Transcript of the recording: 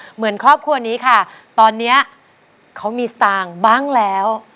เหมือนครอบครัวนี้ค่ะตอนนี้เขามีสตางค์บ้างแล้ว